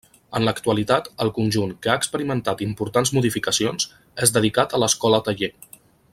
En l'actualitat, el conjunt, que ha experimentat importants modificacions, és dedicat a l'Escola Taller.